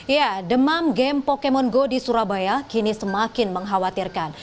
ya demam game pokemon go di surabaya kini semakin mengkhawatirkan